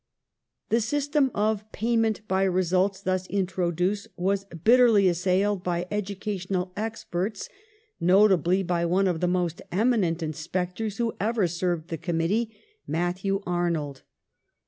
The system of " payment by results," thus introduced, was bitterly assailed by educational experts, notably by one of the most eminent inspectors who ever served the Committee — Matthew Arnold.